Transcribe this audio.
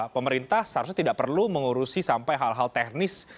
pemerintah seharusnya tidak perlu mengurusi sampai hal hal teknis